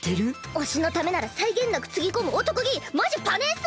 推しのためなら際限なくつぎ込む男気マジパネェっス！